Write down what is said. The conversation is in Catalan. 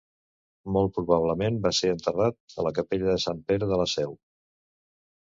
Molt probablement va ser enterrat a la capella de Sant Pere de la Seu.